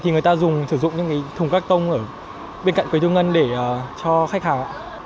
người ta sử dụng những thùng các tông bên cạnh quầy thương ngân để cho khách hàng